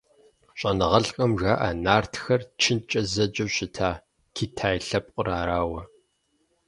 Щӏэныгъэлӏхэм жаӏэ Нартхэр чынткӏэ зэджэу щытар Китай лъэпкъыр арауэ.